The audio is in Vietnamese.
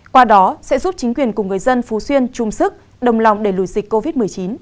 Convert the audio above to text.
qua đó sẽ giúp chính quyền cùng người dân phú xuyên chung sức đồng lòng để lùi dịch covid một mươi chín